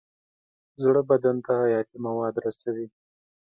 زړه بدن ته حیاتي مواد رسوي.